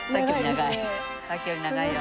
さっきより長いよ。